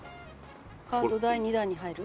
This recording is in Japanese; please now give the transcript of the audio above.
カート第２弾に入る？